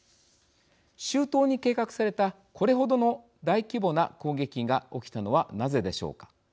周到に計画されたこれほどの大規模な攻撃が起きたのはなぜでしょうか。